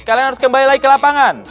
kalian harus kembali lagi ke lapangan